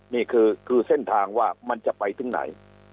นี่คือเส้นทางว่ามันจะไปถึงไหน